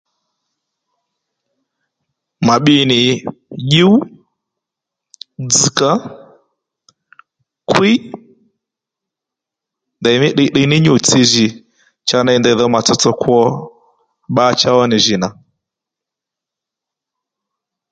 Ma bbi nì dyǔw, dzzga, kwíy ndèymí tdiytdiy ní nyû-tsi jì cha ney ndèy dho mà tsotso kwo bbacha ó nì jì nà